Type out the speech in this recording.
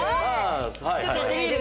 ちょっとやってみる？